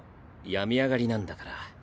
病み上がりなんだから。